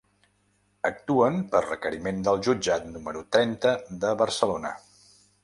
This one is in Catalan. Actuen per requeriment del jutjat número trenta de Barcelona.